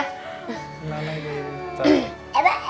eh emang emang aku nailah gak